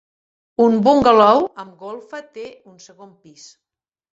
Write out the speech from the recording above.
Un bungalou amb golfa té un segon pis.